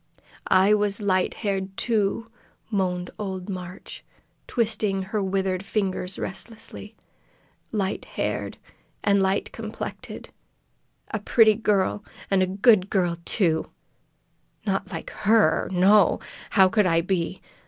"I was light haired, too," moaned old Marg, twisting her withered fingers restlessly. "Light haired, and light complected! A pretty girl, an' a good girl, too! Not like her. No! How could I be?